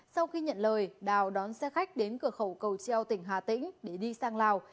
sau khi nhận lời đào đón xe khách đến cửa khẩu cầu treo tỉnh hà tĩnh để đi sang lào